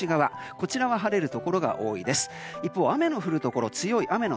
こちらは晴れるところが多いです。